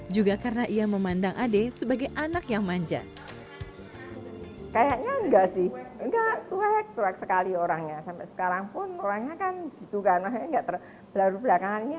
juga karena ia memandang ade sebagai anak yang manja